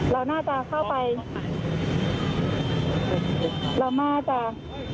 เราน่าจะเข้ายังไง